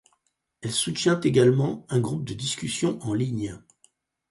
Elle soutient également un groupe de discussion en ligne.